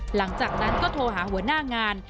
หลังจากนั้นก็โทรหาหัวหน้างาน